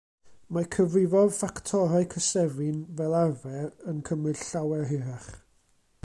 Mae cyfrifo ffactorau cysefin, fel arfer, yn cymryd llawer hirach!